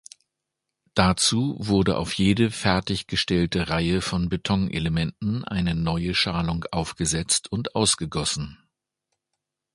Dazu wurde auf jede fertiggestellte Reihe von Betonelementen eine neue Schalung aufgesetzt und ausgegossen.